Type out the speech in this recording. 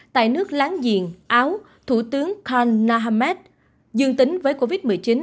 tại nước láng giềng áo thủ tướng khan nahmed dương tính với covid một mươi chín